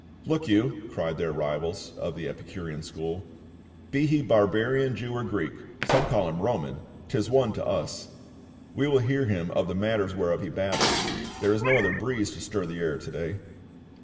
"*" Look you," cried their rivals of the Epicurean school, "be he barbarian Jew or Greek — some call him Roman — 'tis one to us. We will hear him of the matters whereof he babbles ; there is no other breeze to stir the air to day."